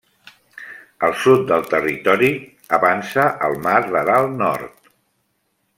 Al sud del territori avança el Mar d'Aral Nord.